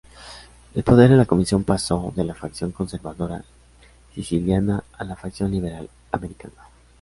El poder de la Comisión pasó de la "facción conservadora-siciliana" a la "facción liberal-americana".